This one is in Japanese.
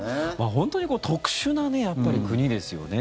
本当に特殊な国ですよね。